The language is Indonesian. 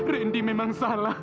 randy memang salah